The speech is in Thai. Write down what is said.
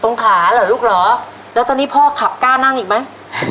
ขาเหรอลูกเหรอแล้วตอนนี้พ่อขับกล้านั่งอีกไหม